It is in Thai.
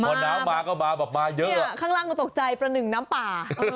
พอน้ำมาก็มาแบบมาเยอะเนี่ยข้างล่างก็ตกใจประหนึ่งน้ำป่า